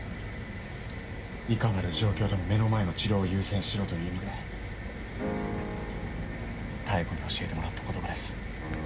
いかなる状況でも目の前の治療を優先しろという意味で妙子に教えてもらった言葉です。